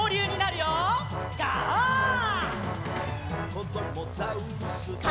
「こどもザウルス